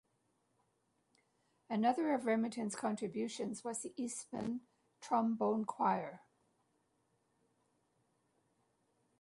Another of Remington's contributions was the Eastman Trombone Choir.